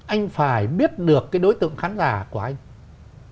anh phải biết được cái đối tượng khán giả của anh